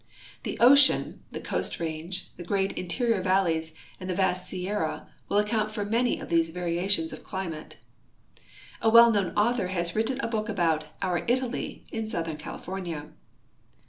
The ocean, the Coast range, the great interior val leys, and the vast Sierra will account for many of these varia tions of climate. A well known author has written a book about " Our Italy " in southern California.